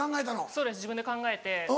そうです自分で考えて。